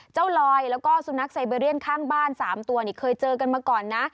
ลอยแล้วก็สุนัขไซเบเรียนข้างบ้าน๓ตัวเคยเจอกันมาก่อนนะ